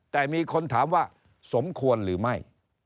แต่มีคนถามว่าสมควรหรือไม่